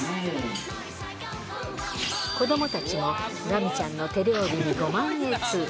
子どもたちもラミちゃんの手料理にご満悦。